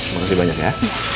makasih banyak ya